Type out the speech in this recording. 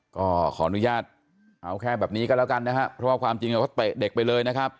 ก็ขออนุญาตเอาแค่แบบนี้ก็แล้วกันนะครับเพราะว่าความจริงเขาเตะเด็กไปเลยนะครับ